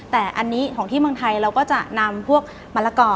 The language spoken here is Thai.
แต่อันนี้ของที่เมืองไทยเราก็จะนำพวกมะละกอ